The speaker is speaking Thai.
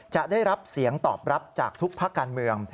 จะได้รับเสียงตอบรับจากทุกภาคการเมือง